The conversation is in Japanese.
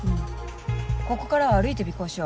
ここからは歩いて尾行しよう。